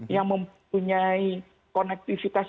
yang mempunyai konektivitas